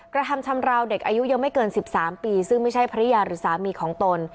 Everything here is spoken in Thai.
กระทำชำราวเด็กอายุยังไม่เกิน๑๓ปีซึ่งไม่ใช่ภรรยาหรือสามีของตน